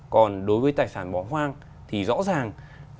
còn đối với tài sản bỏ hoang thì rõ ràng